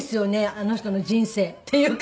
あの人の人生っていうか。